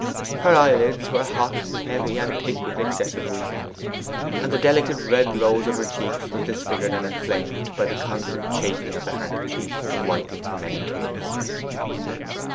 Her eyelids were hot, heavy, and thick with excessive weeping, and the delicate rose red of her cheeks was disfigured and inflamed by the constant chafing of the handkerchief in wiping her many tears.